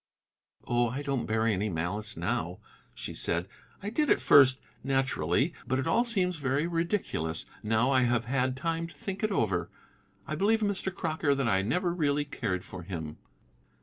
"Oh, I don't bear any malice now," she said. "I did at first, naturally. But it all seems very ridiculous now I have had time to think it over. I believe, Mr. Crocker, that I never really cared for him."